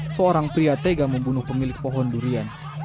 seorang pria tega membunuh pemilik pohon durian